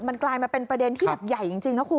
มันกลายมาเป็นประเด็นที่แบบใหญ่จริงนะคุณ